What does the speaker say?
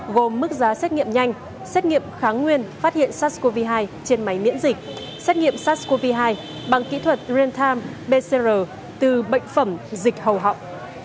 gồm mức giá xét nghiệm nhanh xét nghiệm kháng nguyên phát hiện sars cov hai trên máy miễn dịch xét nghiệm sars cov hai bằng kỹ thuật real time pcr từ bệnh phẩm dịch hầu họng